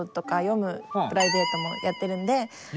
「読むプライベート」やってる？